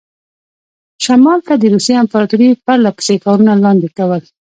شمال ته د روسیې امپراطوري پرله پسې ښارونه لاندې کول.